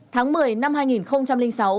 tháng một mươi năm hai nghìn sáu